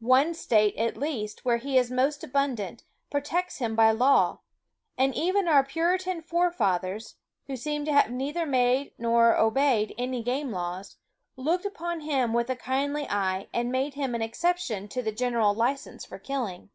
One state, at least, where he is most abundant, protects him by law; and even our Puritan forefathers, who seem to have neither made nor obeyed any game laws, looked upon him with a kindly eye, and made him an exception to the general license for killing.